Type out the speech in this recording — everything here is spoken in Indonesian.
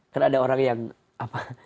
kan ada orang yang apa